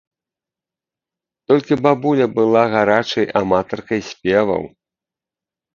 Толькі бабуля была гарачай аматаркай спеваў.